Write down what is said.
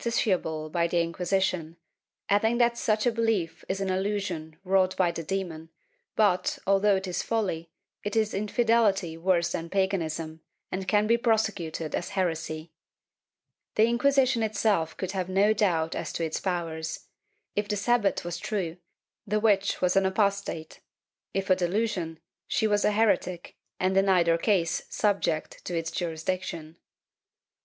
Episcopi in answer to the question whether they are justiciable by the Inquisition, adding that such a belief is an illusion wrought by the demon but, although it is folly, it is infidelity worse than paganism, and can be prosecuted as heresy.^ The Inquisi tion itself could have no doubt as to its powers; if the Sabbat was true, the witch was an apostate; if a delusion, she was a heretic and in either case subject to its jurisdiction.